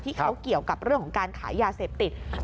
ที่เขาเกี่ยวกับเรื่องของการขายยาเสพติด